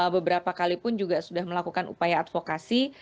beberapa kali pun juga sudah melakukan upaya advokasi